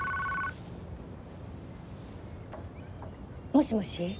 もしもし。